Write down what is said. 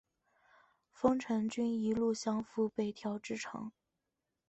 丰臣军一路降伏北条支城。